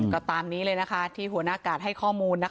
ก็ตามนี้เลยนะคะที่หัวหน้ากาดให้ข้อมูลนะคะ